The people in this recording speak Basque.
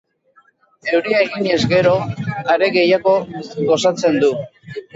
Euria eginez gero, are gehiago gozatzen du.